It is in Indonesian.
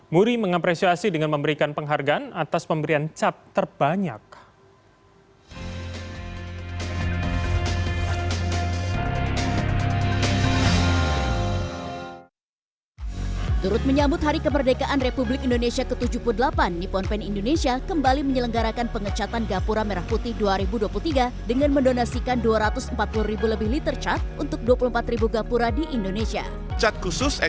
muri mengapresiasi dengan memberikan penghargaan atas pemberian cat terbanyak